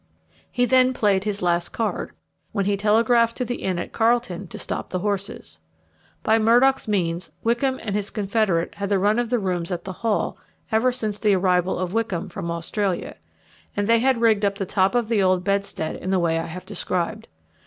He then played his last card, when he telegraphed to the inn at Carlton to stop the horses. By Murdock's means Wickham and his confederate had the run of the rooms at the Hall ever since the arrival of Wickham from Australia, and they had rigged up the top of the old bedstead in the way I have described.